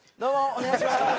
お願いします。